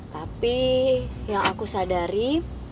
tapi yang aku sadari